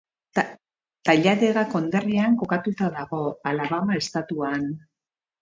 Talladega konderrian kokatuta dago, Alabama estatuan.